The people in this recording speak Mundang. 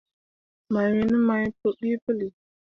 Mawin main pǝbeʼ pǝlli.